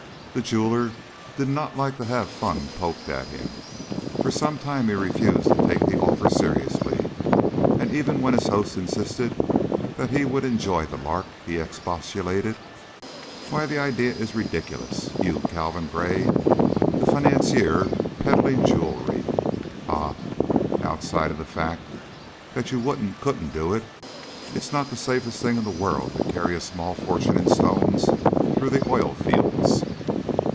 The jeweler did not like to have fun poked at him. For some time he refused to take the offer seriously, and even when his host insisted that he would enjoy the lark, he expostulated: "Why, the idea is ridiculous! You Calvin Gray, the financier, peddling jewelry? Ha! Outside of the fact that you wouldn't, couldn't do it, it's not the safest thing in the world to carry a small fortune in stones through the oil fields."